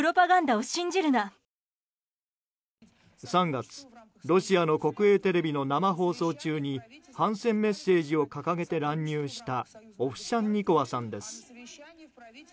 ３月、ロシアの国営テレビの生放送中に反戦メッセージを掲げて乱入したオフシャンニコワさんです。